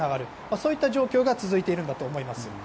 そういった状況が続いているんだと思います。